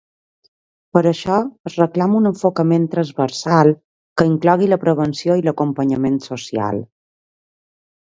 Per això, es reclama un enfocament transversal que inclogui la prevenció i l'acompanyament social.